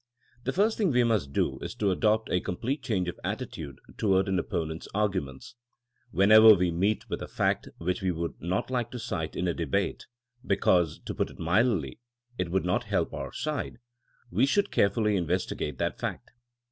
The first thing we must do is to adopt a com plete change of attitude toward an opponent's arguments. Whenever we meet with a fact which we would not like to cite in a debate ; be cause, to put it mildly, it would not help our side; we should carefully investigate that fact.